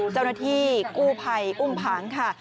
เจ้าหน้าที่กู้ภัยอุ้มผางค่ะ